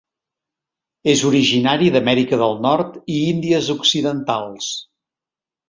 És originari d'Amèrica del Nord i Índies Occidentals.